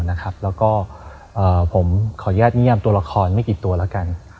แล้วก็ผมขออนุญาตนิยามตัวละครไม่กี่ตัวแล้วกัน